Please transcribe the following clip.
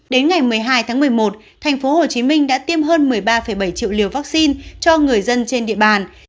đến ngày một mươi hai tháng một mươi một tp hcm đã tiêm hơn một mươi ba bảy triệu liều vaccine cho người dân trên địa bàn